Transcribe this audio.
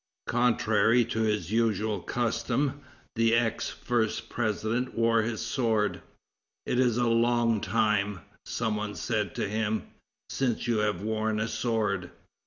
Contrary to his usual custom, the ex first president wore his sword. "It is a long time," some one said to him, "since you have worn a sword."